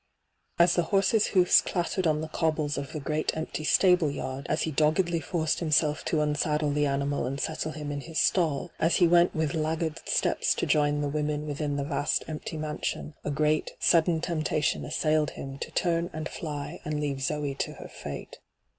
As the horse's hoofe clattered on the cobbles of the great empty stable yard, as he doggedly forced himself to unsaddle the animal and settle him in his stall, as he went with lag^i^d hyGoo>^lc ENTRAPPED 29 steps to join the women within the vast empty mansioQ, a great, sudden temptation assailed him to turn and fly and leave Zoe to her &te.